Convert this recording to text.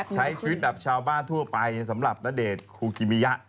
ใช้ชีวิตแบบชาวบ้านทั่วไปสำหรับณเดชน์คูกิมิยะ